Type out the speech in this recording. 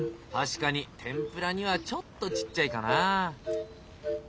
確かに天ぷらにはちょっとちっちゃいかなぁ。